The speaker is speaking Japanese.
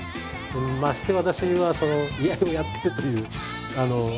まして私は居合をやってるという。